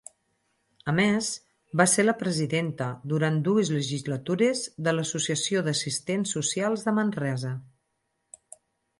A més, va ser la presidenta, durant dues legislatures, de l'Associació d'Assistents Socials de Manresa.